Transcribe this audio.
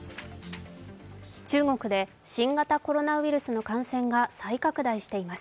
中国で新型コロナウイルスの感染が再拡大しています。